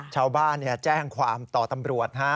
ชาวบ้านแจ้งความต่อตำรวจ